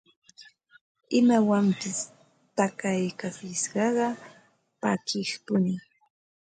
imawanpas takaykachisqaqa pakiqpuni